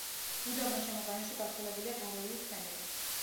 უდაბნოს შემოგარენში გავრცელებულია გარეული ცხენები.